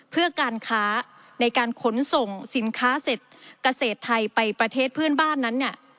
เพื่อการค้าในการขนส่งสินค้าเสร็จเกษตรไทยไปประเทศเพื่อนบ้านนั้นเนี่ย